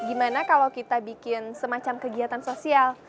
gimana kalau kita bikin semacam kegiatan sosial